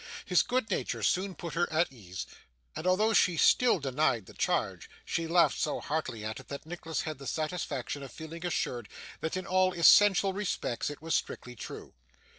His good nature soon put her at her ease; and although she still denied the charge, she laughed so heartily at it, that Nicholas had the satisfaction of feeling assured that in all essential respects it was strictly true.